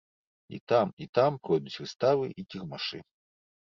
І там, і там пройдуць выставы і кірмашы.